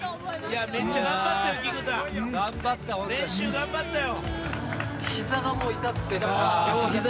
練習頑張ったよ。